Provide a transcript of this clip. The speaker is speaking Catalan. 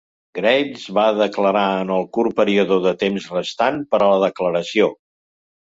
Graves va declarar en el curt període de tems restant per a la declaració.